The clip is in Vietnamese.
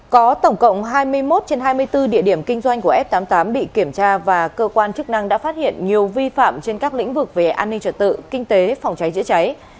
có tổng cộng hai mươi một trên hai mươi bốn địa điểm kinh doanh của f tám mươi tám bị kiểm tra và cơ quan chức năng đã phát hiện nhiều vi phạm trên các lĩnh vực về an ninh trật tự kinh tế phòng cháy chữa cháy